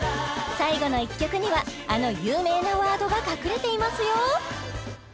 最後の１曲にはあの有名なワードが隠れていますよ